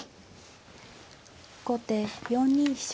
後手４二飛車。